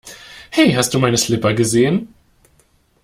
Hey, hast du meine Slipper gesehen?